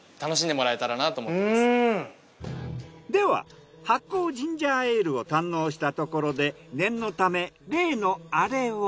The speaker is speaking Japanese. では発酵ジンジャーエールを堪能したところで念のため。